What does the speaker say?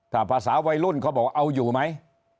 ถ้าภาษาวัยรุ่นเขาบอกเอาอยู่ไหม